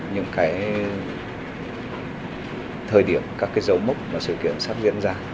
những cái thời điểm các cái dấu mốc mà sự kiện sắp diễn ra